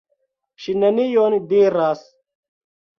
Ŝi nenion diras.